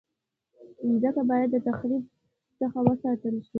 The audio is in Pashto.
مځکه باید د تخریب څخه وساتل شي.